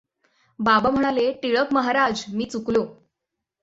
बाबा म्हणाले टिळक महाराज मी चुकलो.